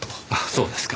そうですか。